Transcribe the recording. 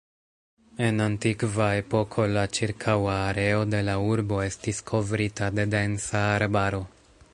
En antikva epoko la ĉirkaŭa areo de la urbo estis kovrita de densa arbaro.